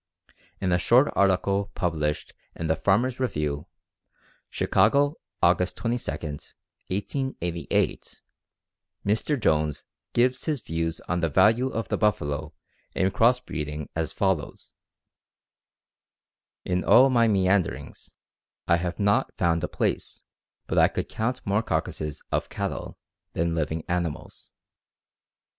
In a short article published in the Farmers' Review (Chicago, August 22, 1888), Mr. Jones gives his views on the value of the buffalo in cross breeding as follows: "In all my meanderings I have not found a place but I could count more carcasses [of cattle] than living animals.